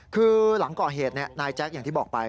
คือหลังก่อเหตุนายแจ๊คอย่างที่บอกไป